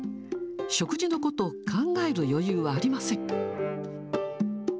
食事のことを考える余裕はありません。